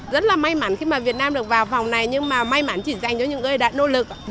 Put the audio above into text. rất là may mắn khi mà việt nam được vào phòng này nhưng mà may mắn chỉ dành cho những người đã nỗ lực